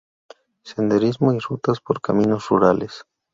Senderismo y rutas por caminos rurales.